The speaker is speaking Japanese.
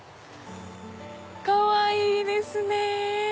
かわいいですね。